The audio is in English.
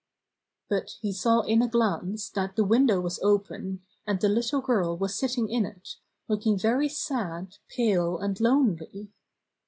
But he saw in a glance that the window was open, and the little girl was sitting in it, look ing very sad, pale and lonely.